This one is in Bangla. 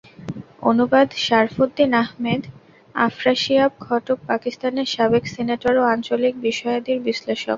অনুবাদ সারফুদ্দিন আহমেদ আফ্রাসিয়াব খটক পাকিস্তানের সাবেক সিনেটর ও আঞ্চলিক বিষয়াদির বিশ্লেষক